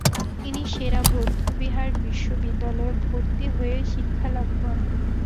তিনি সে-রা বৌদ্ধবিহার বিশ্ববিদ্যালয়ে ভর্তি হয়ে শিক্ষালাভ করেন।